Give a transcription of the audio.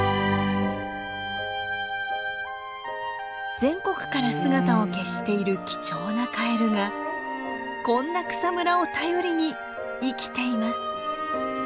全国から姿を消している貴重なカエルがこんな草むらを頼りに生きています。